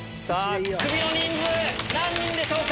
クビの人数、何人でしょうか。